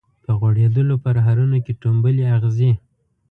په غوړیدولو پرهرونو کي ټومبلي اغزي